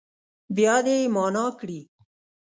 بیا دې يې معنا کړي.